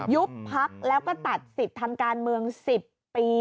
ยุบพักแล้วก็ตัดสิทธิ์ทางการเมือง๑๐ปี